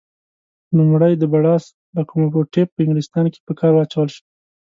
لومړی د بړاس لکوموټیف په انګلیستان کې په کار واچول شو.